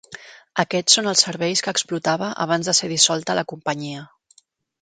Aquests són els serveis que explotava abans de ser dissolta la companyia.